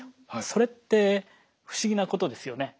それって不思議なことですよね。